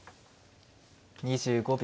２５秒。